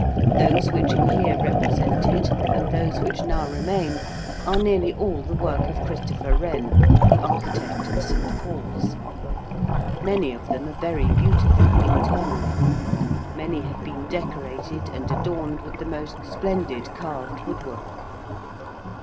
Those which are here represented and those which now remain are nearly all the work of Christopher Wren, the architect of St. Paul's. Many of them are very beautiful internally; many have been decorated and adorned with the most splendid carved woodwork.